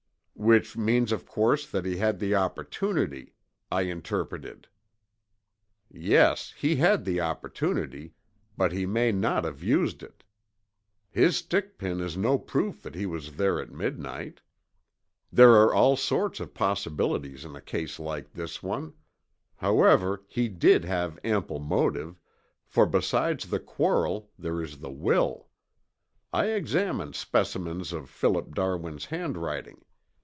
"Which means of course that he had the opportunity," I interpreted. "Yes, he had the opportunity, but he may not have used it. His stick pin is no proof that he was there at midnight. There are all sorts of possibilities in a case like this one. However, he did have ample motive, for besides the quarrel there is the will. I examined specimens of Philip Darwin's handwriting.